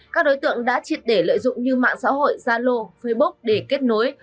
các đối tượng đã triệt để lợi dụng như mạng xã hội gia lô facebook để kết nối